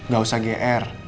gak usah gr